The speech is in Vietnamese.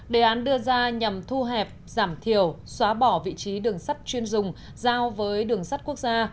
đề án đưa ra nhằm thu hẹp giảm thiểu xóa bỏ vị trí đường sắt chuyên dùng giao với đường sắt quốc gia